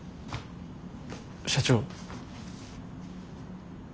社長。